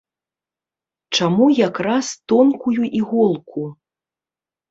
Чаму якраз тонкую іголку?